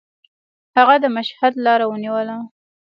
هغه د مشهد لاره ونیوله.